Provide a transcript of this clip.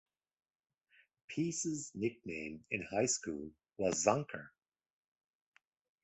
Pease's nickname in high school was "Zonker".